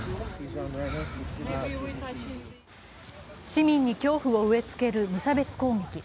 市民に恐怖を植えつける無差別攻撃。